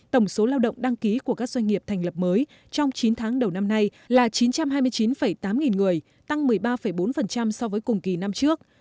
tổng số lao động đăng ký của các doanh nghiệp thành lập mới trong chín tháng đầu năm nay là chín trăm hai mươi chín tám nghìn người tăng một mươi ba bốn so với cùng kỳ năm trước